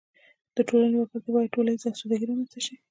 د ټولنې وګړو ته باید ټولیزه اسودګي رامنځته شي.